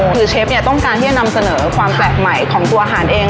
คือเชฟเนี่ยต้องการที่จะนำเสนอความแปลกใหม่ของตัวอาหารเอง